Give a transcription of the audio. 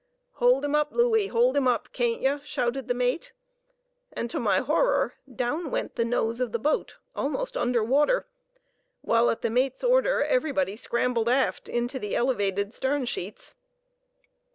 "Hold him up, Louey, hold him up, caint ye?" shouted the mate, and to my horror, down went the nose of the boat almost under water, while at the mate's order everybody scrambled aft into the elevated stern sheets.